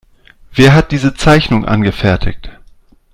Wer hat diese Zeichnung angefertigt?